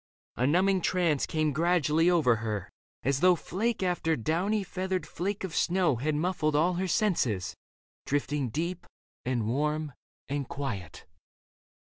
A numbing trance Came gradually over her, as though Flake after downy feathered flake of snow Had muffled all her senses, drifting deep And warm and quiet.